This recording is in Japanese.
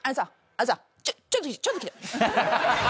あのさちょっとちょっと来て」